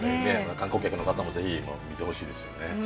観光客の方も是非見てほしいですよね。